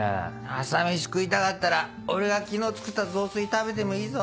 朝飯食いたかったら俺が昨日作った雑炊食べてもいいぞ。